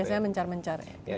biasanya mencar mencar ya